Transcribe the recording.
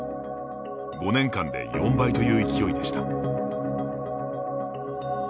５年間で４倍という勢いでした。